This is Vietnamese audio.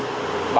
rất nhiều lần ba